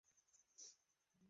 তোমার ঘড়ি কোথায়?